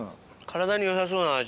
体によさそうな味。